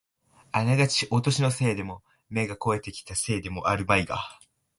あながちお年のせいでも、目が肥えてきたせいでもあるまいが、